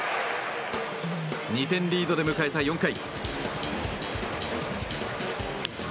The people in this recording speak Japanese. ２点リードで迎えた４回。